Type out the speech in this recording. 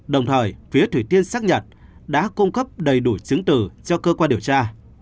đồng thời phía thủy tiên xác nhật đã cung cấp đầy đủ chứng từ cho cơ quan điều tra